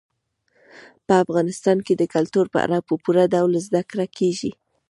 په افغانستان کې د کلتور په اړه په پوره ډول زده کړه کېږي.